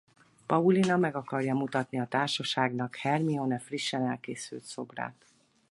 Paulina meg akarja mutatni a társaságnak Hermione frissen elkészült szobrát.